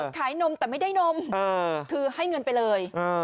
ขายนมแต่ไม่ได้นมคือให้เงินไปเลย